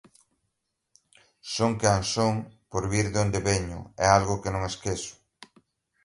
Son quen son por vir de onde veño, é algo que non esquezo